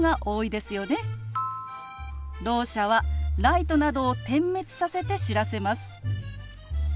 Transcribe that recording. ろう者はライトなどを点滅させて知らせます。